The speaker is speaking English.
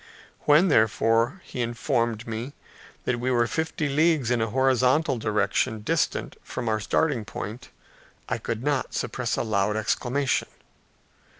When, therefore, he informed me that we were fifty leagues in a horizontal direction distant from our starting point, I could not suppress a loud exclamation.